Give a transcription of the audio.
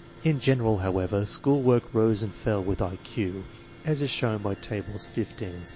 In general, however, school work rose and fell with I Q, as is shown by Tables 15 and 16.